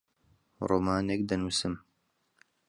ڕۆمانێک دەنووسم.